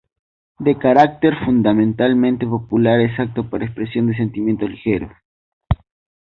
De carácter fundamentalmente popular, es apto para la expresión de sentimientos ligeros.